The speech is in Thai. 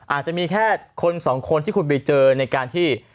อาจจะมีแค่คนสองคนที่คุณไปเจอในการที่